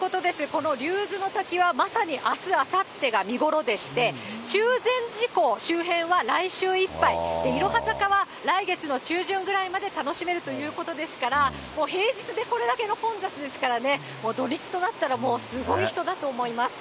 この竜頭の滝はまさにあす、あさってが見頃でして、中禅寺湖周辺は来週いっぱい、いろは坂は来月の中旬ぐらいまで楽しめるということですから、もう平日でこれだけの混雑ですからね、土日となったらもうすごい人だと思います。